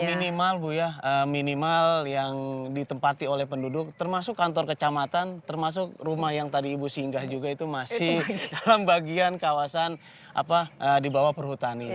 minimal bu ya minimal yang ditempati oleh penduduk termasuk kantor kecamatan termasuk rumah yang tadi ibu singgah juga itu masih dalam bagian kawasan di bawah perhutani